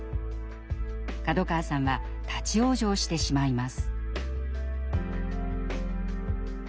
門川さんは立ち往生してしまいます。